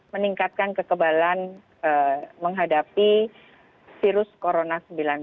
meningkatkan kekebalan menghadapi virus corona sembilan belas